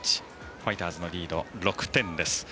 ファイターズのリード、６点です。